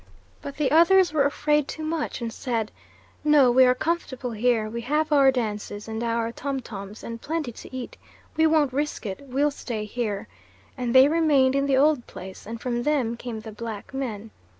But the others were afraid too much, and said, "No, we are comfortable here; we have our dances, and our tom toms, and plenty to eat we won't risk it, we'll stay here"; and they remained in the old place, and from them come the black men.